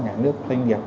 nhà nước doanh nghiệp